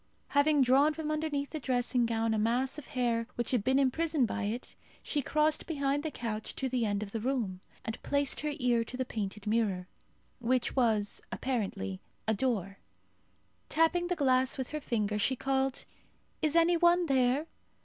Having drawn from underneath the dressing gown a mass of hair which had been imprisoned by it, she crossed behind the couch to the end of the room, and placed her ear to the painted mirror, which was, apparently, a door. Tapping the glass with her finger, she called, "Is any one there?